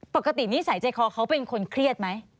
นิสัยใจคอเขาเป็นคนเครียดไหม